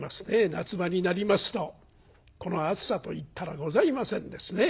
夏場になりますとこの暑さといったらございませんですね。